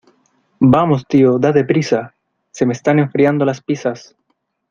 ¡ Vamos, tío , date prisa! ¡ se me están enfriando las pizzas !